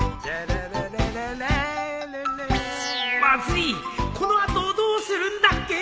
まずいこの後どうするんだっけ？